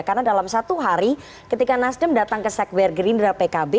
karena dalam satu hari ketika nasdem datang ke sekwergerin dari pkb